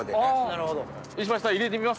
なるほど。